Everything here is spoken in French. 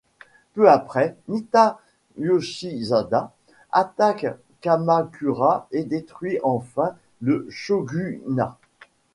Peu après, Nitta Yoshisada attaque Kamakura et détruit enfin le shogunat.